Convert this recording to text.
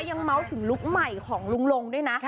มาพูดถึงลุคใหม่ของรุ่งด้วยนะ